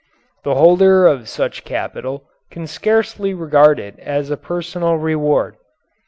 The holder of such capital can scarcely regard it as a personal reward.